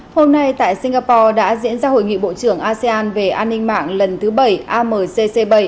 hôm nay tại singapore đã diễn ra hội nghị bộ trưởng asean về an ninh mạng lần thứ bảy amcc bảy